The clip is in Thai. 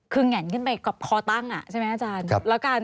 คือแห่นขึ้นไปกับคอตั้งใช่ไหมอาจารย์